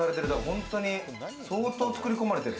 本当に相当作り込まれてる。